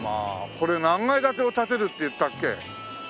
これ何階建てを建てるって言ったっけ？